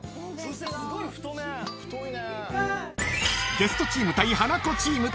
［ゲストチーム対ハナコチーム］